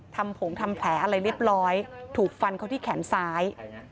ผงทำแผลอะไรเรียบร้อยถูกฟันเขาที่แขนซ้าย